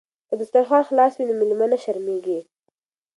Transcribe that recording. که دسترخوان خلاص وي نو میلمه نه شرمیږي.